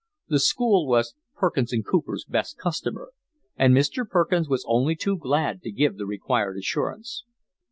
The school was Perkins and Cooper's best customer, and Mr. Perkins was only too glad to give the required assurance.